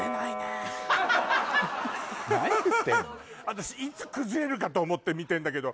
私いつ崩れるかと思って見てるんだけど